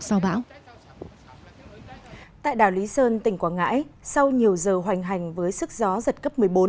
sau bão tại đảo lý sơn tỉnh quảng ngãi sau nhiều giờ hoành hành với sức gió giật cấp một mươi bốn